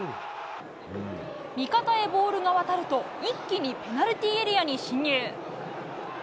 味方へボールが渡ると、一気にペナルティーエリアに進入。